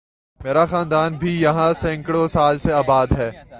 میرا خاندان بھی یہاں سینکڑوں سال سے آباد ہے